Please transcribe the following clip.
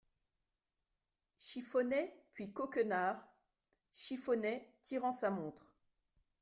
Chiffonnet ; puis Coquenard Chiffonnet , tirant sa montre.